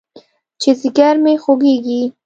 چې ځيگر مې خوږېږي.